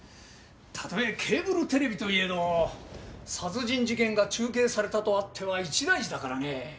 たとえケーブルテレビといえども殺人事件が中継されたとあっては一大事だからねえ。